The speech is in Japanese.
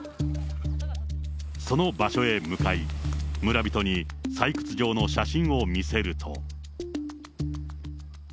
その場所へ向かい、村人に採掘場の写真を見せると。